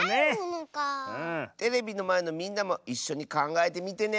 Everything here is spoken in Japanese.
テレビのまえのみんなもいっしょにかんがえてみてね！